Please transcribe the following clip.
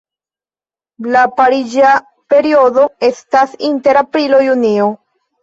La pariĝa periodo estas inter aprilo-junio.